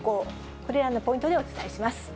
これらのポイントでお伝えします。